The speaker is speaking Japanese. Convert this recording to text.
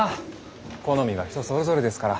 好みは人それぞれですから。